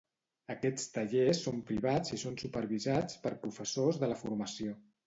Aquests tallers són privats i són supervisats per professors de la Formació.